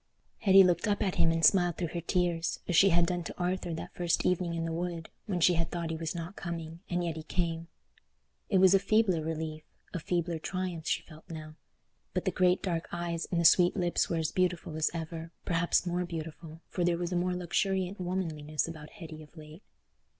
Hetty looked up at him and smiled through her tears, as she had done to Arthur that first evening in the wood, when she had thought he was not coming, and yet he came. It was a feebler relief, a feebler triumph she felt now, but the great dark eyes and the sweet lips were as beautiful as ever, perhaps more beautiful, for there was a more luxuriant womanliness about Hetty of late.